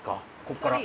ここから。